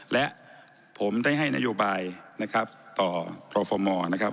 และผมได้ให้นโยบายนะครับต่อทรฟมนะครับ